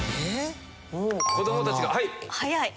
子どもたちがはい。